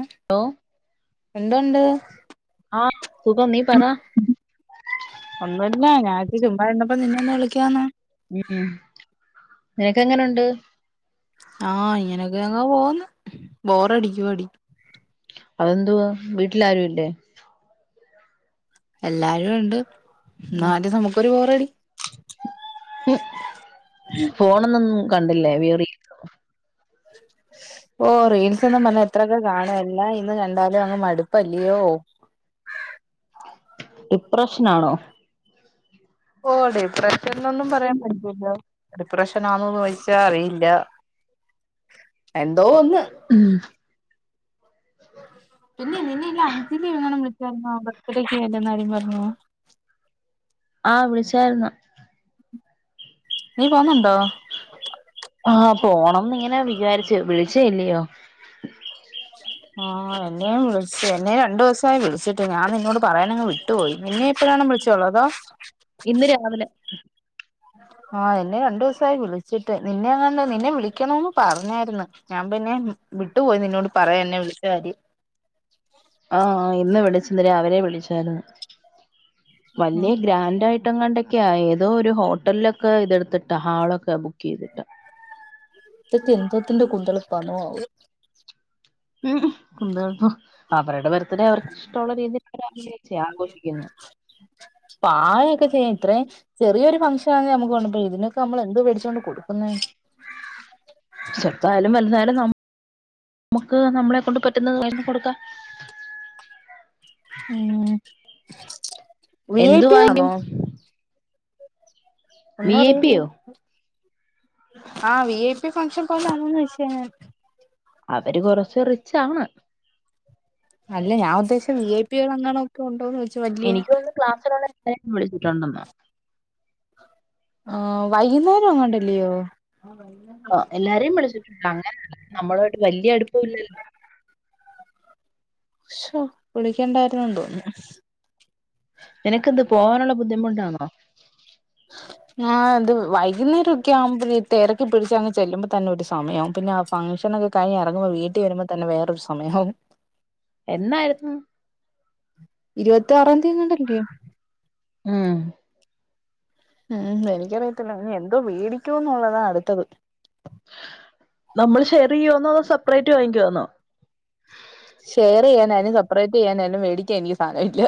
ഹ hello ആഹ് സുഖം നി പറ ഒന്നു അല്ല ഞാൻ വിചാരിച്ച ചുമ്മാ ഇരിന്നപ്പോ നിന്നെ ഒന്ന് വിളിക്കാന്ന് നിനക്ക് എങ്ങനെ ഉണ്ട് ആഹ് ഇങ്ങനൊക്കെ അങ് പോന്ന് ബോറടിക്കുവാടീ അതെന്ത് വാ വീട്ടിൽ ആരും ഇല്ലേ എല്ലാരും ഉണ്ട് എന്നാലും നമുക്കൊരു ആഹ് ബോറടി [unintelligible] ഫോണൊന്നൊന്നും കണ്ടില്ലേ [unintelligible] ഓ റിൽസ് [unintelligible] ഇത്രൊക്കെ കാണും എല്ലാം ഇന്ന് കണ്ടാലും അങ്ങ് മടുപ്പല്ലയോ ഡിപ്രഷനാണോ ഓ ഡിപ്രഷൻ ഒന്നും പറയാൻ പറ്റില്ല ഡിപ്രഷനാണോന്ന് ചോദിച്ചാ അറിയില്ല എന്തോ ഒന്ന് [unintelligible] പിന്നെ നിന്നെ ഇല്ല അഞ്ചിലങ്ങനെ വിളിച്ചരുന്നോ ബർത്ത്ഡേക്ക് അല്ലന്ന് കാര്യ പറഞ്ഞോ ആഹ് വിളിച്ചാരുന്നു നീ പോന്നുണ്ടോ ആഹ് പോണംന്ന് ഇങ്ങനെ വിചാരിച്ചോ വിളിച്ചേ അല്ലയോ ആഹ് എന്നെയും വിളിച്ചു എന്നെയ രണ്ടു ദിവസം ആയി വിളിച്ചിട്ട് ഞാൻ നിന്നോട് പറയാനങ്ങ് വിട്ടുപോയി നിന്നെ എപ്പോഴാണ് വിളിച്ചോള്ള അതോ ഇന്ന് രാവിലെ ആഹ് എന്നെ രണ്ടു ദിവസായി വിളിച്ചിട്ട് നിന്നെ അങ്ങ നിന്നെ വിളിക്കണന്ന് പറഞ്ഞായിന്ന് ഞാൻ പിന്നെ വിട്ടു പോയി നിന്നോട് പറയാ എന്നെ വിളിച്ച കാര്യം ആഹ് ഇന്ന് വിളിച്ച് ഇന്ന് രാവിലെ വിളിച്ചായിരുന്നു വലിയ ഗ്രാൻറ്റ് ആയിട്ടണ്ടൊക്കെയ ഏതോ ഒരു ഹോട്ടലിൽ ഒക്കെ ഇതെടുത്തിട്ടാ ഹാളൊക്കെ ബുക്ക് ചെയ്തിട്ട് ഇത് ഒക്കെ എന്തത്തിന്റെ കൂന്തളിപ്പാണോ ആവോ ഉം ഉം കുന്തളിപ്പോ അവരുടെ ബർത്ഡേ അവർക്ക് ഇഷ്ടമുള്ള രീതിൽ അഗ്രഹിച്ച ആഘോഷിക്കന്ന പ്രായം യൊക്കെ ചെയ്യൻ ഇത്രയും ചെറിയൊരു ഫംഗ്ഷൻ ആണ് നമകുറച്ചു ഇതിന് നമ്മൾ എന്തോ വേടിച്ചോണ്ട് കൊടുക്കുന്നേ ചെറുതായാല്ലും വലുതായാലും ന മുക്ക് നമ്മളെ കൊണ്ട് പറ്റുന്നത് കയിമ്മേ കൊടുക്ക ഉം വി ഐ എന്ത് പി വാങ്ങും ആണോ വി ഒന്നു ഐ അറിയില്ല പിയോ ആഹ് വി ഐ പി ഫംഗ്ഷൻ പോലെ [unintelligible] അവര് കൊറച്ച് റിച്ച് ആണ് അല്ല ഞാൻ ഉദ്ദേശിച്ച വി ഐ പി കൾ അങ്ങണ ഒക്കെ ഉണ്ടോന്ന് വെച്ച വലിയ എനിക്ക് തോന്നുന്നു [unintelligible] [unintelligible] ആഹ് വൈകുന്നേരം അങ്ങാണ്ടല്ലയോ [unintelligible] ആഹ് എല്ലാരേും വിളിച്ചിട്ടുണ്ട് അങ്ങന നമ്മളയിട്ട് വലിയടുപ്പ ഇല്ലേ ശോ വിളിക്കണ്ടായിരുന്നു തോന്നുന്നു നിനക്ക് എന്ത് പോകാനുള്ള ബുദ്ധിമുട്ടാണോ [unintelligible] ആഹ് ഇത് വൈകുന്നേരക്കെ ആകുമ്പ തിരക്ക് പിടിച്ച് അങ്ങ് ചെല്ലുമ്പോ തന്നെ ഒരു സമയാവും പിന്നെ ഫംഗ്ഷൻ ഒക്കെ കഴിഞ്ഞ് ഇറങ്ങുമ്പോൾ വീട്ടിൽ വരുമ്പോൾ തന്നെ വേറൊരു സമയവും എന്നായിരുന്നു ഇരുപത്തി ആറാം തീയതിന്നണ്ടല്ലയോ ആഹ് ഉം എനിക്കറിയത്തില്ല ഇനി എന്തോ വേടിക്കോന്നുള്ളതാണ് അടുത്തത് നമ്മള് [unintelligible] ഷെയർ ചെയ്യുവോന്നോ അതോ സെപ്പറേറ്റ് വാങ്ങിക്കുവാന്നോ ഷെയർ ചെയ്യാനന് അതിന് സപ്പറേറ്റ് ചെയ്യാനും മേടിക്കാൻ എനിക്ക് സാധനം ഇല്ല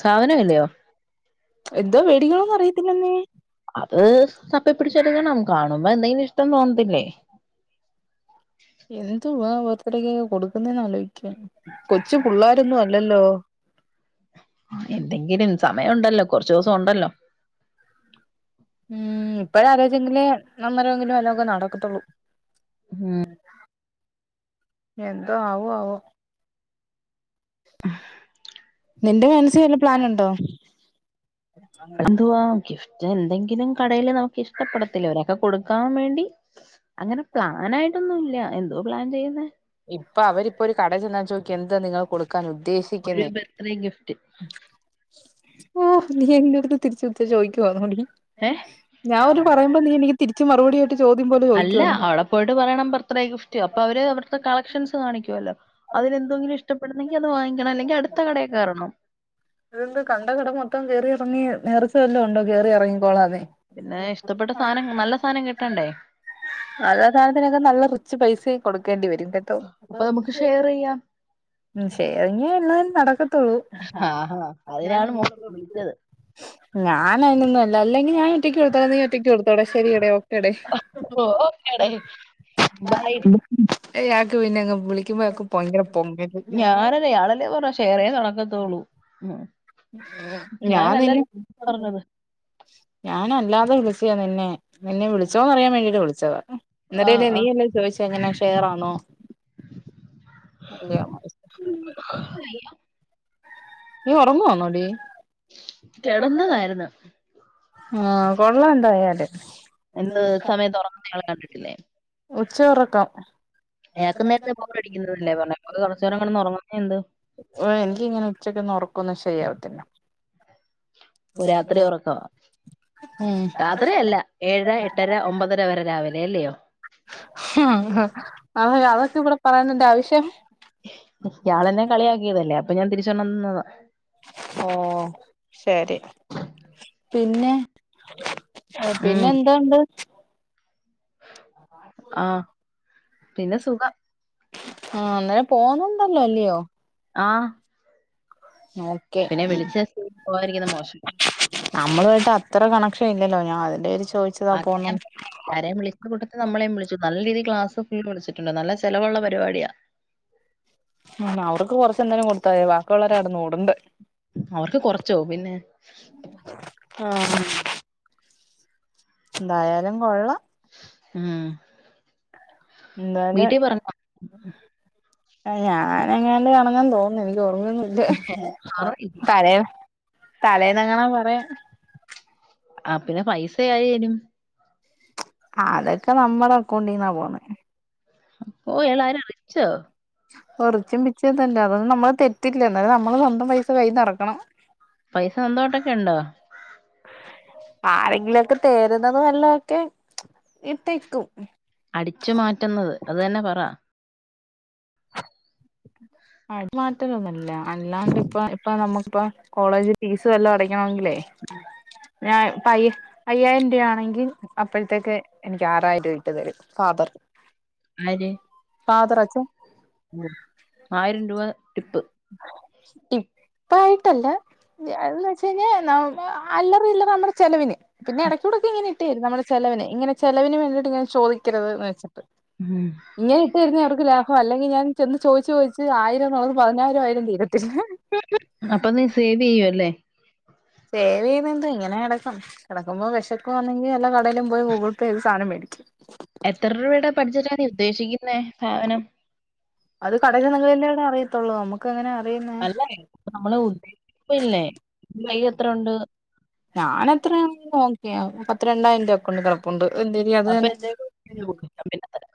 സാധനം ഇല്ലയോ എന്തോ മേടിക്കണോന്ന് അറിയത്തില്ലെന്നേ അത് തപ്പി പിടിച്ച് എടുക്കണം കാണുമ്പ എന്തങ്കിലും ഇഷ്ടം തോന്നുന്നല്ലേ എന്തുവാ ബർത്ത്ഡേക്കൊക്കെ കൊടുക്കുന്നേന്ന് ആലോചിക്ക്യാ. കൊച്ചു പിള്ളാരൊന്നും അല്ലല്ലോ. എന്തെങ്കിലും സമയ ഉണ്ടല്ലോ കുറച്ച് ദിവസം ഉണ്ടല്ലോ. ഉം ഇപ്പഴേ ആലോയ്ചെങ്കിലേ അന്നേരമങ്കിലും വല്ലൊ ഒക്കെ നടക്കത്തുള്ളൂ. എന്തോ ആവുവോ ആവോ ഉ [unintelligible] നിന്റെ മനസ്സി വല്ല പ്ലാനുണ്ടോ? എന്തുവാ ഗിഫ്റ്റ് എന്തെങ്കിലും കടേല് നമുക്ക് ഇഷ്ടപ്പെടത്തില്ലയോ ഒരാക്ക് കൊടുക്കാൻ വേണ്ടി. അങ്ങനെ പ്ലാനായിട്ടൊന്നും ഇല്ല എന്തോ പ്ലാൻ ചെയ്യുന്നെ. ഇപ്പൊ അവരിപ്പോ ഒരു കടേ ചെന്നാ ചോയിക്കും എന്താ നിങ്ങള് കൊടു ഒരു ക്കാനുദ്ദേശിക്കുന്നേ. ബർത്ത്ഡേ ഗിഫ്റ്റ് ഓഹ് നീയെൻ്റെടുത്ത് തിരിച്ച് ചോദിക്കുവാന്നോ ടി. ഏഹ് ഞാൻ ഒരു പറയുമ്പോ നീ എനിക്ക് തിരിച്ച് മറുപടിയായിട്ട് ചോദ്യം പോലെ അല്ല ചോദിക്കുവാന്ന്. അവിടെ പോയിട്ട് പറയണം ബർത്ത്ഡേ ഗിഫ്റ്റ്, അപ്പൊ അവര് അവിടുത്തെ കളക്ഷൻസ് സ് കാണിക്കുവല്ലോ. അതിലെന്തോങ്കിലും ഇഷ്ടപ്പെടുന്നെങ്കി അത് വാങ്ങിക്കണം അല്ലെങ്കി അടുത്ത കടേ കേറണം. ഇതെന്ത് കണ്ട കടം മൊത്തം കേറിയിറങ്ങി നേർച്ച വല്ലോം ഉണ്ടോ കേറിയിറങ്ങിക്കോളാന്നെ. പിന്നേ ഇഷ്ടപ്പെട്ട സാനം നല്ല സാനം കിട്ടണ്ടേ. നല്ല സാനത്തിനൊക്കെ നല്ല റി ച്ച് പൈസയും കൊടുക്കേണ്ടി വരും കേട്ടോ. അപ്പൊ നമുക്ക് ഷെയർ ചെയ്യാം ഉം. ഷെയറിങ്ങേ എല്ലാം നടക്കത്തൊള്ളൂ. ആഹാ അതിനാണ് മോളിപ്പോ വിളിച്ചത്. ഞാനയ്നൊന്നു അല്ല. അല്ലെങ്കി ഞാൻ ഒറ്റയ്ക്ക് കൊടുത്തോളാ നീയു ഒറ്റക്ക് കൊടുത്തോടേ ശരിയെടേ ഓക്കെടെ. ഓക്കേടേ ബായ് ബൈ ഏയാക്ക് പിന്നങ് പുളി ഞാനല്ലേ ഇയാളല്ലേ പറഞ്ഞെ ഷെയറേ നടക്കത്തൊള്ളൂ. ഉഹും ഞാൻ നിന്നെ പറഞ്ഞത് ഞാനല്ലാതെ വിളിച്ചയാ നിന്നെ. നിന്നെ വിളിച്ചോന്നറിയാൻ വേണ്ടീട്ട് വിളിച്ചതാ. ആ എന്നിട്ടല്ലെ ആ. നീയല്ലേ ചോയിച്ചെ എങ്ങനെ ഷെയറാണോ അല്ലയോന്നൊക്കെ [inaudible] നീ ഒറങ്ങുവാണോടി? കെടന്നതായിരുന്നു. ആഹ് കൊള്ളാ എന്തായാലും. എന്ത് ഇ സമയത്ത് ഒറങ്ങുന്നത് നിങ്ങൾ കണ്ടിട്ടില്ലേ? ഉച്ചയുറക്കം ഇയാക്ക് നേരത്തെ [unintelligible] ല്ലേ പറഞ്ഞെ [unintelligible] കുറച്ചേരം കൂടെ ഒന്ന് ഉറങ്ങുന്നെ എന്ത്. ഏയ് എനിക്കിങ്ങനെ ഉച്ചക്കൊന്നും ഉറക്കൊന്നും ശരിയാവത്തില്ല ഒഹ് രാത്രി ഉറക്കവാ ഉം രാത്രിയല്ല ഏഴര എട്ടര ഒമ്പതര വരെ രാവിലെ അല്ലയോ ഹും അതെ. അതൊക്കെ ഇവടെ പറയുന്നെൻ്റെ ആവശ്യം ഇയാളെന്നെ കളിയാക്കിയതല്ലേ അപ്പൊ ഞാൻ തിരിച്ചൊരണ്ണം തന്നതാ. ഓഹ് ശരി പിന്നെ, പിന്നെ ഉം എന്തുണ്ട്? ആ ആഹ്. പിന്നെ സുഖം. ആഹ് അന്നേരം പോണം ണല്ലോ അല്ലിയോ. ആ ആഹ് ഓക്കെ പിന്നെ വിളിച്ച പോകാതിരിക്കുന്ന മോശം നമ്മളു ആയ്ട്ട് അത്ര കണക്ഷൻ ഇല്ലല്ലോ ഞാൻ അതിന്റെ പേരി ചോദിച്ച [unintelligible] എല്ലാരെയും വിളിച്ച കൂട്ടത്തി നമ്മളെയും വിളിച്ചു നല്ല രീതിൽ ക്ലാസ് ഫുൾ വിളിച്ച് ട്ട്ണ്ട്. നല്ല ചിലവുള്ള പരിപാടിയാ. ഉം അവർക്ക് കൊറച്ചെന്തേങ്കിലും കൊടുത്താതി. ബാക്കി ഉള്ളവരെടന്ന് ഓട്ണ്ട്. അവർക്ക് കൊറച്ചോ പിന്നെ ആഹ് എന്തായാലും കൊള്ളാ ഉം ഇന്നാന് വീട്ടിൽ പറഞ്ഞു ഞാന എങ്ങാണ്ട് കാണുന്ന തോന്ന്ന്നെ എനിക്ക് ഓർമ്മ സാറ് ഇല്ലേ? [unintelligible] തലേ തലേന്നങ്ങണാ പറയാ ആ പിന്നെ പൈസ ആയേനും അതൊക്കെ നമ്മടെ അക്കൗണ്ടിന്നാ പോവുന്നെ അപ്പോ ഏളായിരം അടച്ചോ ഒറിച്ചും പിച്ചതന്ത അതൊന്നും നമ്മള് തെറ്റില്ല എന്നാലും നമ്മള് സ്വന്തം പൈസ കൈയിന്ന് എറക്കണം. പൈസ നന്തോട്ടൊക്കെ ഉണ്ടോ ആരെങ്കിലൊക്കെ തെരുന്നത് വല്ലൊ ഒക്കെ അടിച്ചു മാറ്റുന്നത് അത് തന്നെ പറ. ആ ഇത് മാറ്റലൊന്നുല്ല. അല്ലാണ്ട് ഇപ്പ ഇപ്പ നമ്മക്ക്പ്പോ കോളേജി ഫീസ് വല്ലൊം അടക്കണമെങ്കിലേ ഞാൻ പയ്യ അയ്യായിരം രൂവ ആണെങ്കി അപ്പോത്തേക്ക് എനിക്ക് ആറായിരം രൂവ ഇട്ട് തരും ഫാദർ. ആര് ഫാദറച്ചൻ. ആയിരം രൂവ ടിപ്പ് ഇപ്പായിട്ടല്ല അന്ന് വെച്ച കഴിഞ്ഞാ നമ്മ അല്ലറ ചില്ലറ നമ്മടെ ചെലവിന് പിന്നെ എടക്കുടക്ക ഇങ്ങെനെ ഇട്ടേരും നമ്മുടെ ചെലവിന് ഇങ്ങനെ ചെലവിന് വേണ്ടിട്ട് ഇങ്ങനെ ചോദിക്കരുത് ന്ന്‌ വെച്ചിട്ട്. ഉം ഇങ്ങനെ ഇട്ട് തരുന്ന അവർക്ക് ലാഹം അല്ലെങ്കിൽ ഞാൻ ചെന്ന് ചോയിച്ചു ചോദിച്ച ആയിരം ന [unintelligible] പതിനായിര ആയാലും തീരത്തില്ല ചെയ്യു അല്ലേ സേവ് ചെയ്യുന്നത് എന്ത ഇങ്ങനെ കിടക്കും കിടക്കുമ്പോ വെഷക് അപ്പോവാണെങ്കി എല്ല കടേലും പോയി ഗൂഗിൾ പേ ചെയ് സാനം മേടിക്കും. എത്ര രൂവയുടെ ബഡ്ജറ്റാ നീ ഉദ്ദേശിക്കുന്നെ സാധനം അത് കടേന്ന് നല്ല [unintelligible] അറിയത്തൊള്ളൂ നമുക്ക്. ക്ക എങ്ങനെ അറിയുന്നേ അല്ല നമ്മള് ഉദ്ദേശിക്കില്ലേ കൈ എത്ര ഉണ്ട് ഞാന അത്രയാ നോക്കിയ പത്തി രണ്ടായിരം രൂവ ഒക്ക കൊണ്ട് ഉണ്ട് അപ്പൊ എനിക്ക് കൊടുക്കാം, പിന്നെ തരാം.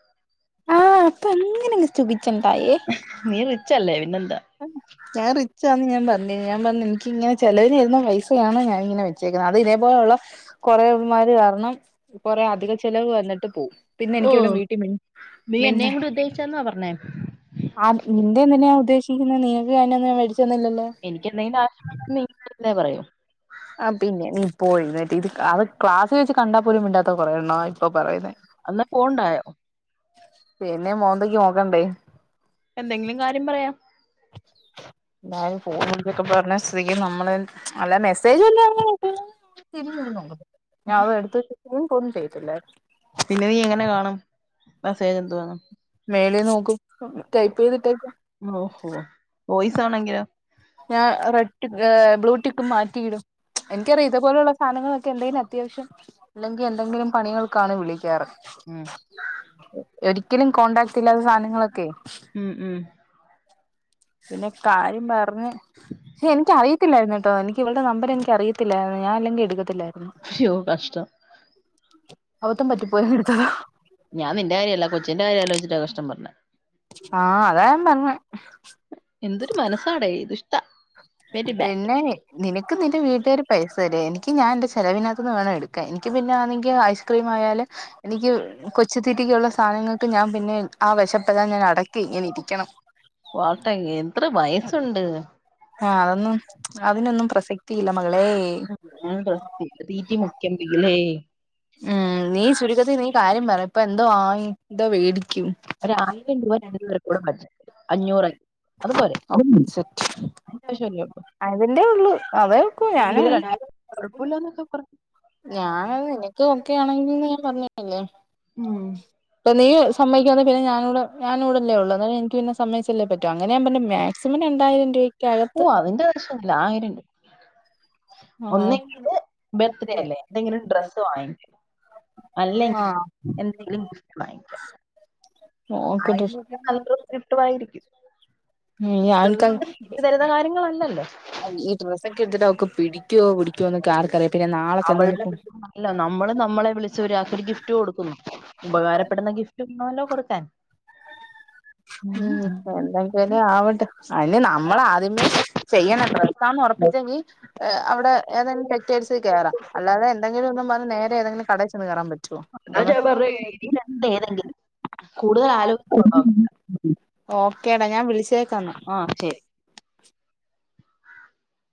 ആ അപ്പ ഇങ്ങനെ ഇച്ചണ്ടായെ നീ റിച്ച് അല്ലേ പിന്നെന്താ ഞാ റിച്ചാന്ന് ഞാൻ പറഞ്ഞി ഞാൻ പറഞ്ഞ് ഇനിക്കിങ്ങനെ ചെലവിന് തെരുന്ന പൈസയാണ് ഞാാനിങ്ങനെ വെ അത് ഇതേ പോലെയുള്ള കൊറേമാര് കാര്ണം. കൊറേ അധിക ചെലവ് വന്നിട്ട് പോവും. പിന്നെ എനിക്ക ഓ ഇവിടെ വീട്ടി നീ എന്നേയും കൂടെ ഉദ്ദേശിച്ചാന്നോ പറഞ്ഞേ ആ നിന്റെ എന്തിനെയാ ഉദ്ദേശിക്കുന്നത് നിങ്ങക്ക് അനെ ഒന്നും മേടിച്ചൊന്നില്ലല്ലോ എനിക്ക് എന്തെനാ നീ [unintelligible] തന്നെ പറയോ ആ പിന്നെ നീ പോയി ഇന്നട്ട് ഇത് അത് ക്ലാസ്ൽ വെച്ച് കണ്ടാൽ പോലും മിണ്ടാത്ത കൊറേ എണ്ണോ ഇപ്പൊ പറയുന്നെ എന്നാ പോണ്ടായോ പിന്നെ മോന്തക്ക് നോക്കണ്ടേ എന്തെങ്കിലും കാര്യം പറയാം എന്തായാലും ഫോണൊക്കെ പറഞ്ഞ സ്ഥിതിക്ക് നമ്മള് അല്ല മെസ്സേജ് [unintelligible] ല്ലതി നോ ഞാൻ അത് എടുത്ത ചെയ പോന്നും ചെയ്ത് ഇല്ല പിന്നെ നീ എങ്ങനെ [unintelligible] കാണും ഏഹ് മെസ്സേജ് എന്തുവാന്ന് മേലെ നോക്ക് ഇപ്പം ഉം ടൈപ്പെയ്തിട്ടേക്കാ ഓഹോ ആഹ് വോയിസ് [unintelligible] ആണെങ്കിലോ ഞാൻ റെട്ടിക്ക് ഏഹ് ബ്ലൂടിക്ക് മാറ്റിയിടും എനിക്കറിയാ ഇത് പോലെയുള്ള സാനങ്ങളൊക്കെ എന്തേലു അത്യാവശ്യം അല്ലെങ്കി എന്തെങ്കിലും പണികള് ക്കാണ് വിളിക്ക്യാറ് ഉം ഒരിക്കലും കോണ്ടാക്റ്റില്ലാത്ത സാനങ്ങളൊക്കെ ഉം ഉം പിന്നെ കാര്യം പറഞ്ഞ് എനിക്ക്യ് അറിയത്തില്ലാര്ന്നു കേട്ടോ എനിക്ക്യ് ഇവള്ടെ നമ്പർ എനിക്ക്യ് അറിയ ത്തില്ലാര്ന്നു ഞാൻ അല്ലെങ്കി എട്ക്കത്തില്ലാരുന്നു അയ്യോ കഷ്ടം പറ്റിപ്പോയി എടുത്തതാ ഞാൻ നിന്റെ കാര്യല്ല കൊച്ചിന്റെ കാര്യം ആലോയ്ചിട്ടാ കഷ്ടം പറ്ഞ്ഞെ ആഹ് അതാ ഞാൻ പറ്ഞ്ഞെ എന്തൊരു മനസ്സാടെയിത് പിന്നെ നിനക്ക് നിന്റെ വീട്ടുകാര് പൈസ തരെ എനിക്ക്യ് ഞാൻ എന്റെ ചെലവിനാത്ത് നിന്ന് വേണം എട്ക്കാൻ എനിക്ക്യ് പിന്നാണങ്കി അയച്ച് ക്രീം ആയാല് എനിക്ക് കൊച്ചുതീറ്റിക്കുള്ള സാധനങ്ങക്ക് ഞാൻ പിന്നെ ആ വിശപ്പെല്ലാം ഞാൻ അടക്കി ഇങ്ങനെ ഇരിക്കണം വാട്ട എത്ര വയസുണ്ട് ആഹ് അതൊന്നും അതിനൊന്നും പ്രസക്തിയില്ല മകളേ ഡ്രസ് തീറ്റി മുക്കിയെങ്കിലേ ആഹ് നീ ചുരുക്ക ത്ത് നീ കാര്യം പറ ഇപ്പൊ എന്തോ വാങ്ങി എന്തോ വേടിക്കും ഒരായിരം രൂപ നിനക്ക് ഒരു കൂടെ ബഡ്ജറ്റ് അഞ്ഞൂറ് അതുപോലെ [unintelligible] ആവശ്യമല്ലേ ഉള്ളൂ അതിന്റെ ഉള്ളു അതേ വെക്കൂ ഞാന് കൊഴപ്പവില്ലാന്നൊക്കെ പറ് ഞാനത് നിനക്ക് ഓക്കെ ആണെങ്കിൽന്ന് ഞാൻ പറഞ്ഞതല്ലേ ഉം. ഇപ്പ നീ സമ്മയ്ക്കാതെ പിന്നേ ഞാനൂടെ ഞാനൂടെല്ലേ ഉള്ളൂ എന്നാല് എനിക്ക് പിന്നെ സമ്മയ്ച്ചല്ലേ പറ്റൂ അങ്ങന ഞാൻ പറഞ്ഞു മാക്സിമം രണ്ടായിരം രൂപയ്ക്ക് യ്ക്കകത്ത് ല്ല ആയിരംണ്ട് ആ ഒന്നെങ്കില് ബർത്ത്ഡേ അല്ലേ എന്തെങ്കിലും ഡ്രസ്സ് വാങ്ങിക്ക് അല്ലെങ്കില ആഹ് എന്തെങ്കിലും ഗിഫ്‌റ്റ് വാങ്ങിക്കാം നോക്കട്ട് [unintelligible] ട്ടുവായിരിക്കും ഉം ഈ തരുന്ന [unintelligible] കാര്യങ്ങളല്ലല്ലോ ഈ ഡ്രസ്സ് ഒക്കെ എടുത്തിട്ട് അവക്ക് പിടിക്കോ പിടിക്കോന്നൊക്കെ ആർക്കറിയാം പിന്നെ നാളെ ചെന്ന് അവൾ അല്ല നമ്മള് നമ്മളെ വിളിച് ഒരാൾക്ക് ഒരു ഗിഫ്റ്റ് കൊടുക്കുന്നു ഉപകാരപ്പെടുന്ന ഗിഫ്റ്റ് [unintelligible] ണോലോ കൊടുക്കാൻ ഉം എന്തെങ്കിലും ആവട്ടെ അതിന് നമ്മള ആദ്യമേ ചെയ്യണം ഡ്രെസാന്നൊറപ്പിച്ചെങ്കി അവിടെ ഏതെങ്കിലും ടെക്സ്റ്റൈൽസിൽ കേറാം അല്ലാതെ എന്തെങ്കിലും എന്നും‌ പറഞ്ഞ് നേരെ ഏതെങ്കിലും കടേ ചെന്ന് കേറാൻ പറ്റ് അതാ ഞാൻ പറഞ ഇ ഏതെങ്കിലും കൂടുതൽ ആലോചനോ ഓക്കേടാ ഞാൻ വിളിച്ചേക്കന്ന ആഹ് ശരി